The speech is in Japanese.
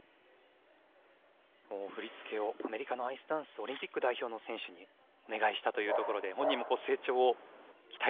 振り付けをアメリカのアイスダンスオリンピック代表の選手にお願いしたというところで本人も成長を期待してというとこですよね。